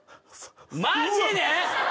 マジで！？